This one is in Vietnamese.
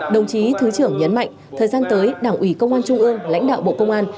đồng chí thứ trưởng nhấn mạnh thời gian tới đảng ủy công an trung ương lãnh đạo bộ công an